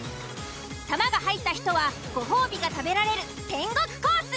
球が入った人はご褒美が食べられる天国コース。